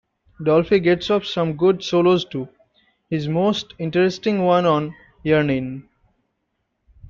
Dolphy gets off some good solos too, his most interesting one on Yearnin'.